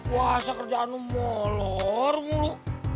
wah sekerjaan lo molor mulu